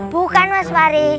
bukan mas fary